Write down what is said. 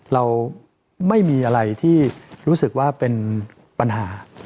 เราไม่มีอะไรที่รู้สึกว่าเป็นปัญหา